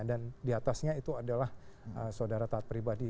dan diatasnya itu adalah sodara taat pribadi